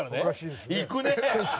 いくね！